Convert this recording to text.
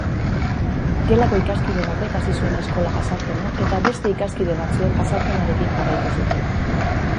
Gelako ikaskide batek hasi zuen eskola-jazarpena eta beste ikaskide batzuek jazarpenarekin jarraitu zuten.